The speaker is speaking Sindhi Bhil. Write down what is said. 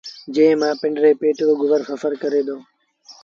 جݩهݩ مآݩ پنڊري پيٽ رو گزر سڦر ڪري دو۔